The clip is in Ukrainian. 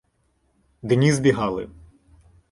Дні збігали.